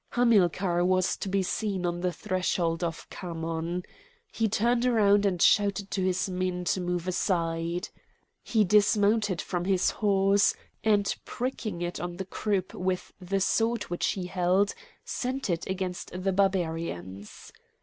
Hamilcar was to be seen on the threshold of Khamon. He turned round and shouted to his men to move aside. He dismounted from his horse; and pricking it on the croup with the sword which he held, sent it against the Barbarians.